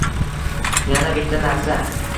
Yana bitta narsa.